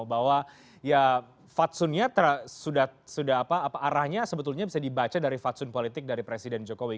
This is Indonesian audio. bahwa ya fatsunnya sudah arahnya sebetulnya bisa dibaca dari fatsun politik dari presiden jokowi